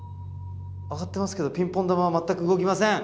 上がってますけどピンポン球は全く動きません。